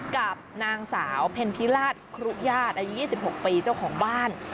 กับนางสาวเพ็ญพิราชครุญาติอายุ๒๖ปีเจ้าของบ้าน